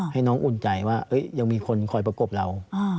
ให้น้องอุ่นใจว่ายังมีคนคอยประกบเรา